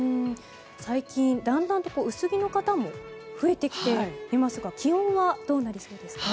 最近、だんだんと薄着の方も増えてきていますが気温はどうなりそうですか？